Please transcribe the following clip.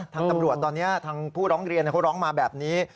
ทางตำรวจตอนนี้ทางผู้ร้องเรียนเขาร้องมาแบบนี้